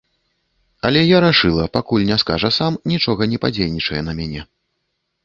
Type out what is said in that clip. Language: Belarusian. Але я рашыла, пакуль не скажа сам, нічога не падзейнічае на мяне.